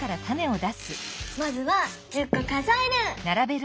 まずは１０こ数える！